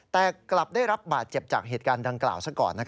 แต่กลับได้รับบาดเจ็บจากเหตุการณ์ดังกล่าวซะก่อน